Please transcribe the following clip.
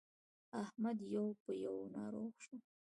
احمد يو په يو ناروغ شو.